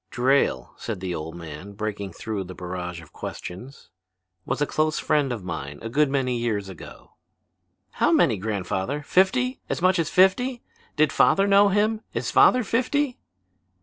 "Drayle," said the old man, breaking through the barrage of questions, "was a close friend of mine a good many years ago." "How many, grandfather? Fifty? As much as fifty? Did father know him? Is father fifty?"